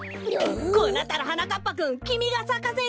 こうなったらはなかっぱくんきみがさかせるんだ！